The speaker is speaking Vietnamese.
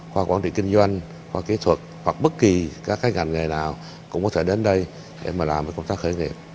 khoa quản lý kinh doanh khoa kỹ thuật hoặc bất kỳ các ngành nghề nào cũng có thể đến đây để làm công tác khởi nghiệp